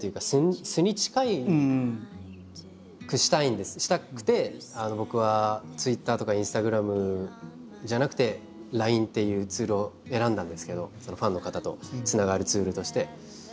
何かでもやっぱり僕はツイッターとかインスタグラムじゃなくてＬＩＮＥっていうツールを選んだんですけどファンの方とつながるツールとして。